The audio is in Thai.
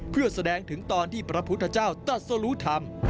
เพื่อแสดงถึงตอนที่พระพุทธเจ้าตัดสรุธรรม